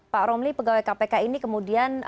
pak romli pegawai kpk ini kemudian